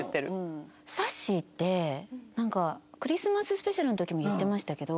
さっしーってなんかクリスマススペシャルの時も言ってましたけど。